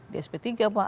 di sp tiga pak